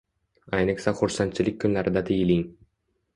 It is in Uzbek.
ayniqsa xursandchilik kunlarida tiyiling.